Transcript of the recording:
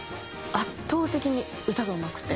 圧倒的に歌がうまくて。